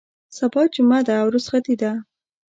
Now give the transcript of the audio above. سبا جمعه ده او رخصتي ده.